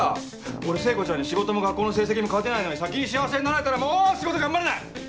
俺聖子ちゃんに仕事も学校の成績も勝てないのに先に幸せになられたらもう仕事頑張れない！